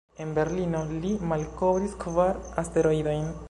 En Berlino, li malkovris kvar asteroidojn.